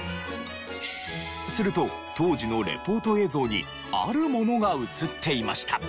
すると当時のリポート映像にあるものが映っていました。